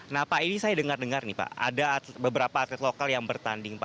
nah pak ini saya dengar dengar nih pak ada beberapa atlet lokal yang bertanding